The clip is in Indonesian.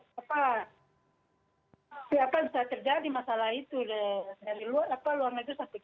siapa bisa terjadi masalah itu dari luar negeri sampai masuk kita juga